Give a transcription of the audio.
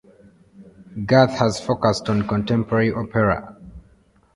Guth has focused on contemporary opera.